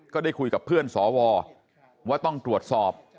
ก็ได้คุยกับเพื่อนสวว่าต้องตรวจสอบ